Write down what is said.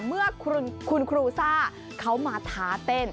เมื่อคุณครูซ่าเขามาท้าเต้น